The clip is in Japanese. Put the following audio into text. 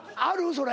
それ。